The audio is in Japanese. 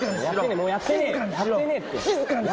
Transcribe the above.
もうやってねえって。